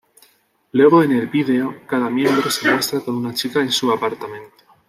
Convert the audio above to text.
Luego en el vídeo, cada miembro se muestra con una chica en su apartamento.